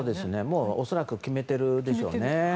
もう恐らく決めてるんでしょうね。